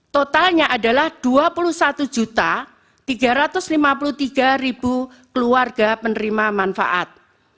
totalnya adalah dua puluh satu tiga ratus lima puluh tiga keluarga penerima manfaat